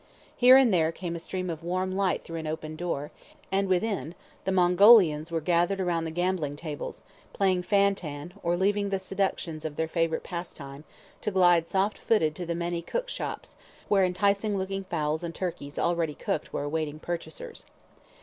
Here and there came a stream of warm light through an open door, and within, the Mongolians were gathered round the gambling tables, playing fan tan, or leaving the seductions of their favourite pastime, to glide soft footed to the many cook shops, where enticing looking fowls and turkeys already cooked were awaiting purchasers.